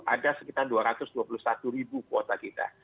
ada sekitar dua ratus dua puluh satu ribu kuota kita